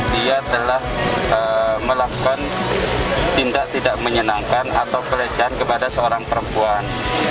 dia telah melakukan tindak tidak menyenangkan atau pelecehan kepada seorang perempuan